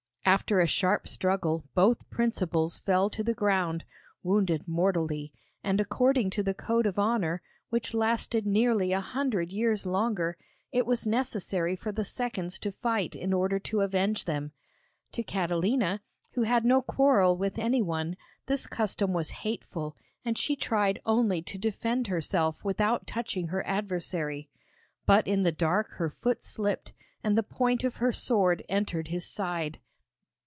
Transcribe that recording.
After a sharp struggle both principals fell to the ground, wounded mortally, and according to the code of honour, which lasted nearly a hundred years longer, it was necessary for the seconds to fight in order to avenge them. To Catalina, who had no quarrel with any one, this custom was hateful, and she tried only to defend herself without touching her adversary. But in the dark her foot slipped and the point of her sword entered his side.